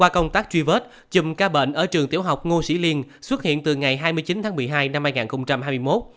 qua công tác truy vết chùm ca bệnh ở trường tiểu học ngô sĩ liên xuất hiện từ ngày hai mươi chín tháng một mươi hai năm hai nghìn hai mươi một